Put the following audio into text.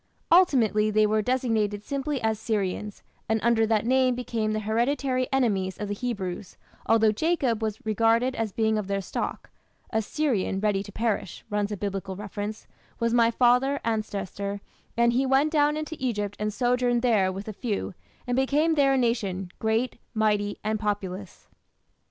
Ultimately they were designated simply as "Syrians", and under that name became the hereditary enemies of the Hebrews, although Jacob was regarded as being of their stock: "A Syrian ready to perish", runs a Biblical reference, "was my father (ancestor), and he went down into Egypt and sojourned there with a few, and became there a nation, great, mighty, and populous".